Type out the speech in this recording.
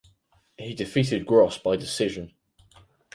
He defeated Gross by decision.